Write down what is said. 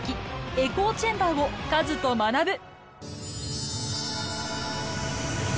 エコーチェンバーをカズと学ぶ。